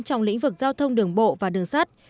trong lĩnh vực giao thông đường bộ và đường sắt